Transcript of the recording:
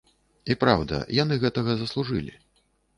І праўда, яны гэтага заслужылі.